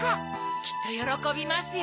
きっとよろこびますよ。